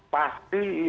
pasti itu terjadi